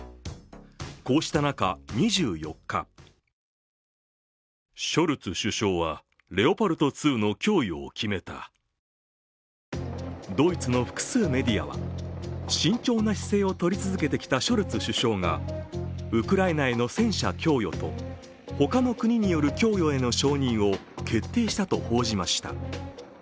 こうした中、２４日ドイツの複数メディアは慎重な姿勢をとり続けてきたショルツ首相がウクライナへの戦車供与とほかの国による供与への承認を決定したと報じました。